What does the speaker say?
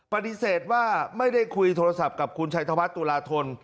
ปฏิเสธว่าไม่ได้คุยโทรศัพท์กับคุณชัยธวัฒนตุลาธน